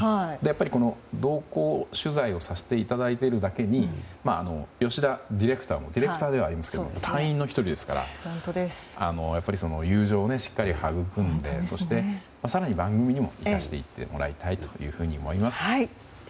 同行取材をさせていただいているだけに吉田ディレクターもディレクターではありますが隊員の１人ですからやっぱり友情をしっかりはぐくんでそして、更に番組にも生かしていってもらいたいと思います。